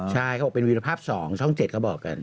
ใช่เขาบอกเป็นวีรภาพ๒ช่อง๗เขาบอกกัน